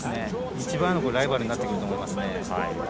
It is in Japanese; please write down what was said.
一番のライバルになってくると思います。